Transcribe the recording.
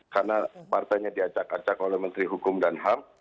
karena partanya diajak acak oleh menteri hukum dan ham